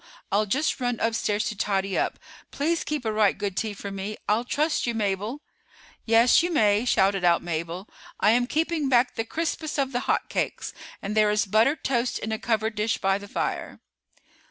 I'll just run upstairs to tidy up. Please keep a right good tea for me; I'll trust you, Mabel." "Yes, you may," shouted out Mabel. "I am keeping back the crispest of the hot cakes, and there is buttered toast in a covered dish by the fire."